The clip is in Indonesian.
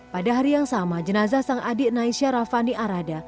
pada hari yang sama jenazah sang adik naisha rafani arada